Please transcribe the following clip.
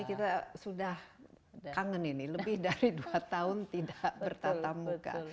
kita sudah kangen ini lebih dari dua tahun tidak bertata muka